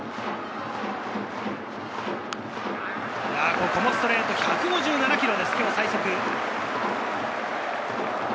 ここもストレート、１５７キロです、今日最速。